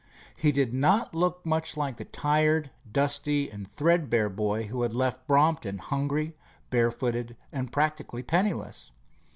He did not look much like the tired, dusty and threadbare boy who had left Brompton hungry, barefooted and practically penniless.